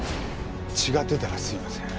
違ってたらすいません。